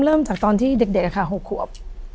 เริ่มจากตอนที่เด็กค่ะ๖ขวบ